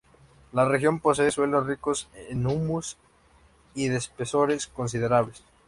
La región posee suelos ricos en humus y de espesores considerables.